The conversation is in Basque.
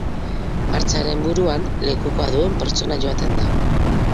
Martxaren buruan, lekukoa duen pertsona joaten da.